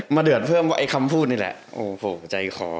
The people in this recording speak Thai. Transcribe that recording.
มาเดือดเพิ่มเพราะคำพูดนี้แหละใจคอ